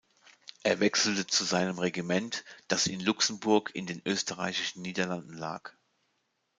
Er wechselte zu seinem Regiment, das in Luxemburg in den Österreichischen Niederlanden lag.